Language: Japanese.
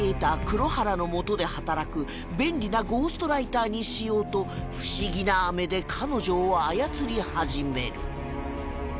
黒原のもとで働く便利なゴーストライターにしようと不思議な飴で彼女を操り始める